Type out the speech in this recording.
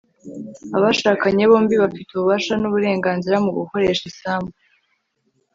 abashakanye bombi bafite ububasha n'uburenganzira mu gukoresha isambu